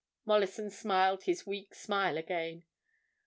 Mollison smiled his weak smile again.